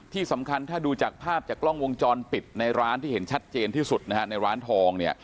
ที่สำคัญถ้าดูจากภาพจากกล้องวงจรปิดในร้านที่เห็นชัดเจนที่สุดนะฮะในร้านทองเนี่ย